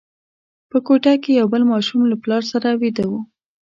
په کوټه کې یو بل ماشوم له پلار سره ویده وو.